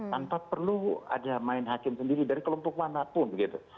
tanpa perlu ada main hakim sendiri dari kelompok manapun gitu